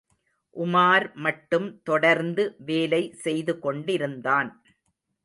உமார் மட்டும், தொடர்ந்து வேலை செய்துகொண்டிருந்தான்.